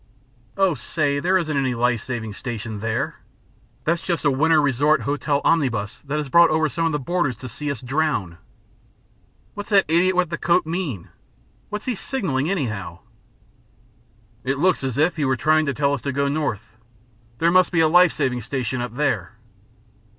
"Oh, say, there isn't any life saving station there. That's just a winter resort hotel omnibus that has brought over some of the boarders to see us drown." "What's that idiot with the coat mean? What's he signaling, anyhow?" "It looks as if he were trying to tell us to go north. There must be a life saving station up there."